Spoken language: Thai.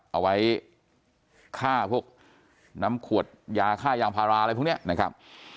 เอาไว้ฆ่าพวกน้ำขวดยาค่ายางพาราอะไรพวกนี้นะครับ